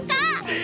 え！